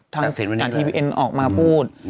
กัดสิทธิ์วันนี้ก็เลยออกมาพูด